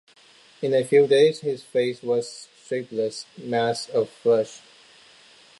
In a few days his face was a shapeless mass of flesh.